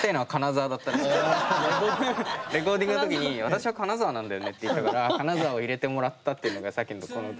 レコーディングの時に「私は金沢なんだよね」って言ったから金沢を入れてもらったっていうのがさっきのこの。